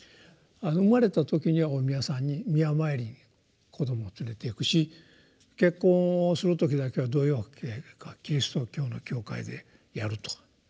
生まれた時にはお宮さんにお宮参りに子どもを連れていくし結婚をする時だけはどういうわけかキリスト教の教会でやると。